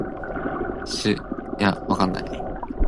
出面落狗屎